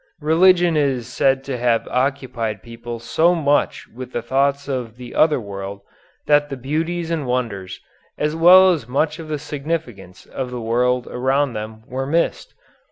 Religion is said to have occupied people so much with thoughts of the other world that the beauties and wonders, as well as much of the significance, of the world around them were missed.